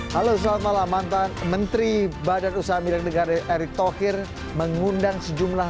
halo selamat malam mantan menteri badan usaha milik negara erick thohir mengundang sejumlah